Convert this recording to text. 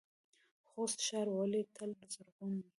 خوست ښار ولې تل زرغون وي؟